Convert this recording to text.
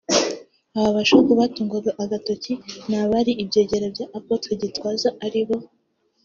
Abo Bashops batungwaga agatoki ni abari ibyegera bya Apotre Gitwaza ari bo